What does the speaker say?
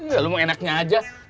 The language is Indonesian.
ya lu mau enaknya aja lu